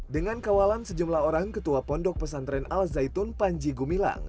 dengan kawalan sejumlah orang ketua pondok pesantren al zaitun panji gumilang